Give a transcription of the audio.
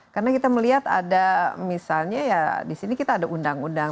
karena kita melihat ada misalnya ya di sini kita ada undang undang